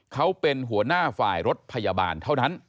เขาเป็นหัวหน้าฝ่ายรถพยาบาลเท่านั้น